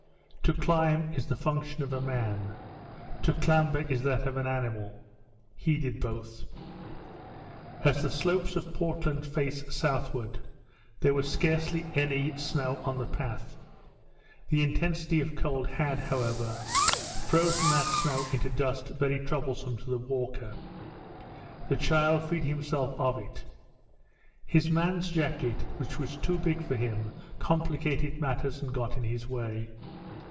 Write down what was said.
To climb is the function of a man; to clamber is that of an animal he did both. As the slopes of Portland face southward, there was scarcely any snow on the path; the intensity of cold had, however, frozen that snow into dust very troublesome to the walker. The child freed himself of it. His man's jacket, which was too big for him, complicated matters, and got in his way.